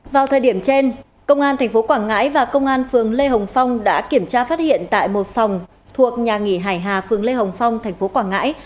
vào thời điểm trên công an tp quảng ngãi và công an phường lê hồng phong đã kiểm tra phát hiện tại một phòng thuộc nhà nghỉ hải hà phường lê hồng phong thành phố quảng ngãi